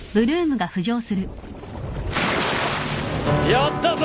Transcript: やったぞ！